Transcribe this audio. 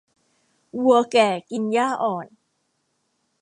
วัวแก่กินหญ้าอ่อน